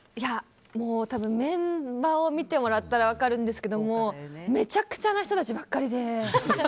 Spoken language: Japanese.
もう、多分メンバーを見てもらったら分かるんですけどもめちゃくちゃな人たちばっかりで。